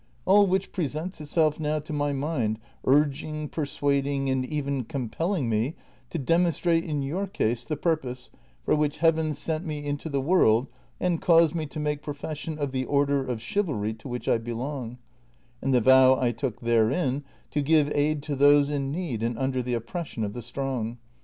All Avhich presents itself now to my mind, urging, persuading, and even com}ielling me to demonstrate in your case the purpose for which Heaven sent me into the Avorld and caused me to make profession of the order of chivalry to which I belong, and the vow I took therein to give aid to those in need and under the oppression of the strong.